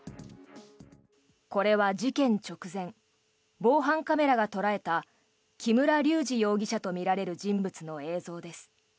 これは事件直前防犯カメラが捉えた木村隆二容疑者とみられる人物の映像です。